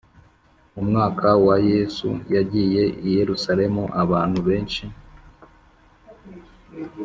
Mu mwaka wa yesu yagiye i yerusalemu abantu benshi